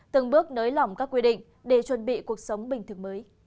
từng bước nới lỏng các quy định để chuẩn bị cuộc sống bình thường mới